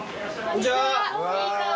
こんにちは。